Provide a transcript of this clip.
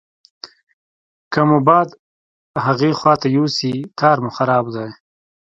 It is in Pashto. که مو باد هغې خواته یوسي کار مو خراب دی.